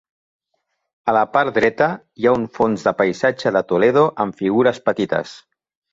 A la part dreta hi ha un fons de Paisatge de Toledo amb figures petites.